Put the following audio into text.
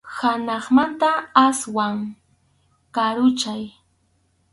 Hanaqmanta aswan karunchay.